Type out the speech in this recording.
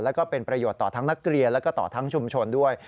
แล้วก็เป็นประโยชน์ต่อทั้งนักเรียนแล้วก็ต่อทั้งชุมชนด้วย